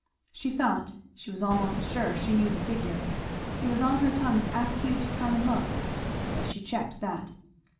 She thought, she was almost sure, she knew the figure; it was on her tongue to ask Hugh to come and look, but she checked that.